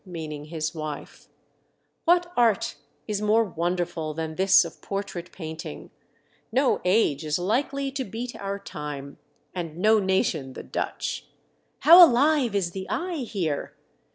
meaning his wife. "What art is more wonderful than this of portrait paint ing? No age is likely to beat our time, and no nation the Dutch. How alive is the eye here